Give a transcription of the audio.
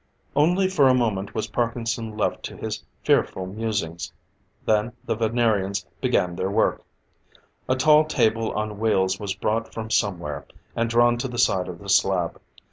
Only for a moment was Parkinson left to his fearful musings; then the Venerians begin their work. A tall table on wheels was brought from somewhere, and drawn to the side of the slab.